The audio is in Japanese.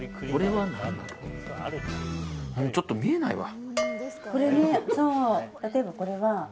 ちょっと見えないわ。